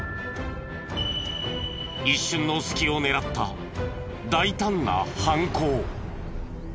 一瞬の隙を狙った大胆な犯行。